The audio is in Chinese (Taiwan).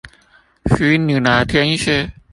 虛擬聊天室